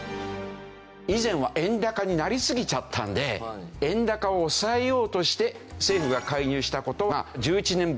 以前は円高になりすぎちゃったので円高を抑えようとして政府が介入した事が１１年ぶりなんですね。